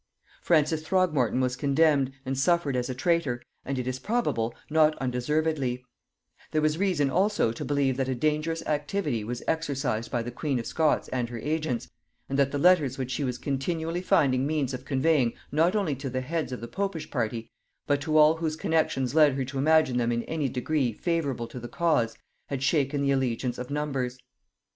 Francis Throgmorton was condemned, and suffered as a traitor, and, it is probable, not undeservedly: there was reason also to believe that a dangerous activity was exercised by the queen of Scots and her agents, and that the letters which she was continually finding means of conveying not only to the heads of the popish party, but to all whose connexions led her to imagine them in any degree favorable to the cause, had shaken the allegiance of numbers.